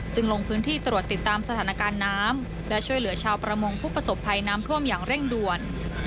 ลงพื้นที่ตรวจติดตามสถานการณ์น้ำและช่วยเหลือชาวประมงผู้ประสบภัยน้ำท่วมอย่างเร่งด่วน